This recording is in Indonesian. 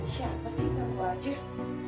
siapa sih kamu roger